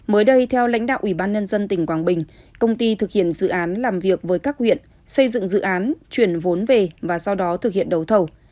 mới đây theo lãnh đạo ủy ban nhân dân tỉnh quảng bình công ty thực hiện dự án làm việc với các huyện xây dựng dự án chuyển vốn về và sau đó thực hiện đấu thầu